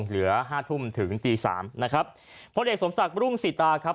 เหลือห้าทุ่มถึงตีสามนะครับพลเอกสมศักดิ์รุ่งสิตาครับ